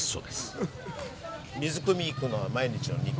水くみ行くのは毎日の日課？